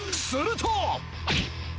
すると。